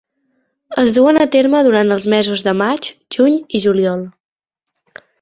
Es duen a terme durant els mesos de maig, juny i juliol.